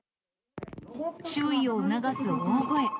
注意を促す大声。